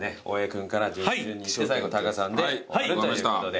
君から順々にいって最後タカさんで終わるということで。